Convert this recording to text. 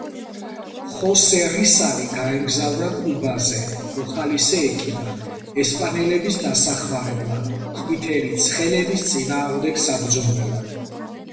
ხოსე რისალი გაემგზავრა კუბაზე მოხალისე ექიმად, ესპანელების დასახმარებლად ყვითელი ცხელების წინააღმდეგ საბრძოლველად.